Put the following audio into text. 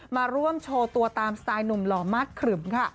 มาร่วมโชว์ตัวตามสไตล์หนุ่มหล่อมาสขรึมค่ะ